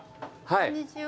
こんにちは。